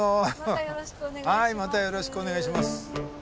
はいまたよろしくお願いします。